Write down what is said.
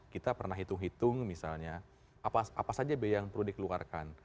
kita pernah hitung hitung misalnya apa saja biaya yang perlu dikeluarkan